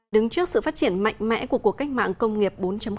đứng trước sự phát triển mạnh mẽ của cuộc cách mạng công nghiệp bốn